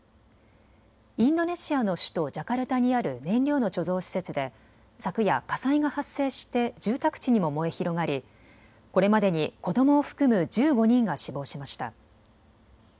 インドネシアの首都ジャカルタにある燃料の貯蔵施設で昨夜、火災が発生して住宅地にも燃え広がりこれまでに子どもを含む１５人が死亡しました。